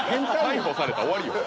逮捕されたら終わりよ。